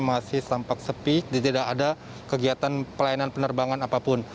masih tampak sepi tidak ada kegiatan pelayanan penerbangan apapun